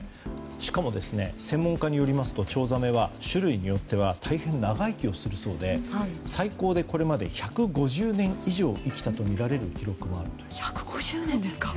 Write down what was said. しかも専門家によりますとチョウザメは種類によっては大変、長生きするそうで最高でこれまで１５０年以上生きたとみられる記録もあるそうです。